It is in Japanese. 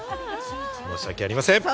申し訳ありません！